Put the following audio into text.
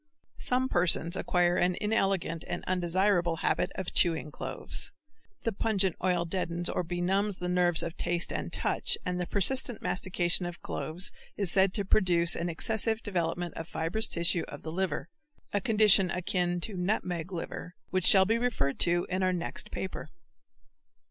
Some persons acquire an inelegant and undesirable habit of chewing cloves. The pungent oil deadens or benumbs the nerves of taste and touch and the persistent mastication of cloves, is said to produce an excessive development of fibrous tissue of the liver, a condition akin to "nutmeg liver" which shall be referred to in our next paper.